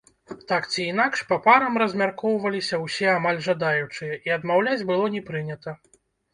Так ці інакш, па парам размяркоўваліся ўсе амаль жадаючыя, і адмаўляць было не прынята.